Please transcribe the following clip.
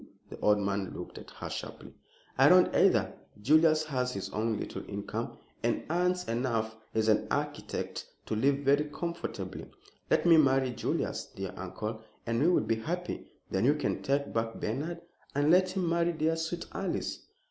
The old man looked at her sharply. "I don't either. Julius has his own little income, and earns enough as an architect to live very comfortably. Let me marry Julius, dear uncle, and we will be happy. Then you can take back Bernard and let him marry dear, sweet Alice."